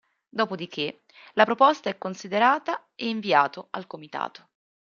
Dopo di che, la proposta è considerata e inviato al comitato.